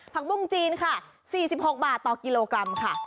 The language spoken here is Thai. ผักบุ้งจีนค่ะสี่สิบหกบาทต่อกิโลกรัมค่ะ